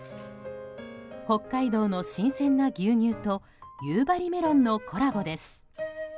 北海道の新鮮な牛乳と夕張メロンのコラボです。